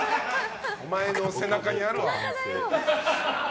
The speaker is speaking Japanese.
お前の背中にあるわ！